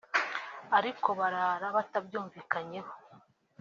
ariko barara batabyumvikanyeho